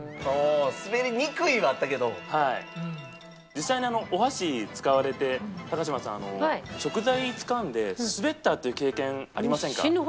実際にお箸使われて高嶋さん食材つかんで滑ったっていう経験ありませんか？